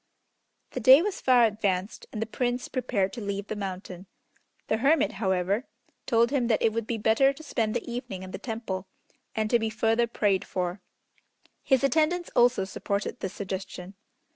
The day was far advanced, and the Prince prepared to leave the mountain. The Hermit, however, told him that it would be better to spend the evening in the Temple, and to be further prayed for. His attendants also supported this suggestion.